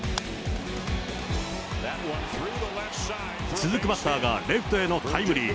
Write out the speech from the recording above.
続くバッターがレフトへのタイムリー。